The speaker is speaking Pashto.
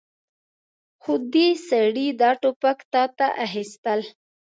خو دې سړي دا ټوپک تاته اخيستل.